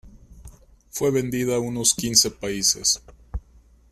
Fue vendida a unos quince países.